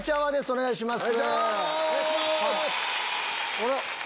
お願いします。